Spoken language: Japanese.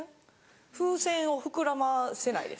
風船を膨らませないです。